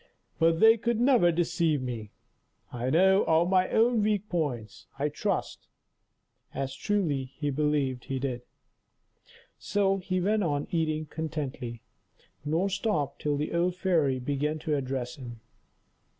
But they could never deceive me. I know all my own weak points, I trust." As truly he believed he did. So he went on eating contentedly, nor stopped till the old fairy began to address him.